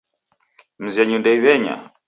Mzenyu ndeiw'enya.